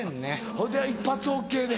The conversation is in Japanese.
ほいで一発ＯＫで。